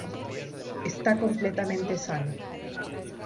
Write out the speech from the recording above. Está completamente sano.